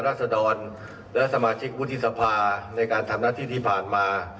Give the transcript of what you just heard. ขอต้อนรับทรวจสนุนของเรา